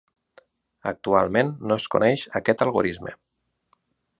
Actualment no es coneix aquest algorisme.